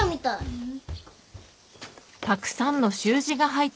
うん。